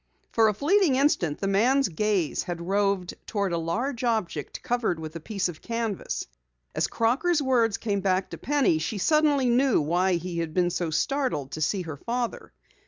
For a fleeting instant the man's gaze had roved toward a large object covered with a piece of canvas. As Crocker's words came back to Penny, she suddenly knew why he had been so startled to see her father.